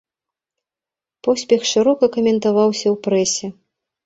Поспех шырока каментаваўся ў прэсе.